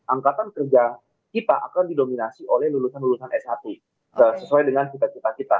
angkatan kerja kita akan didominasi oleh lulusan lulusan s satu sesuai dengan cita cita kita